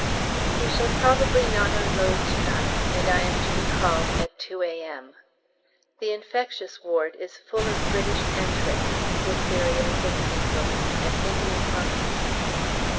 We shall probably not unload to night, and I am to be called at 2 A.M. The infectious ward is full with British enterics, dips., and measles, and Indian mumpies.